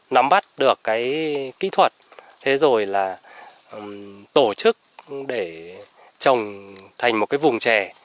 nắm bắt được cái kỹ thuật thế rồi là tổ chức để trồng thành một cái vùng trè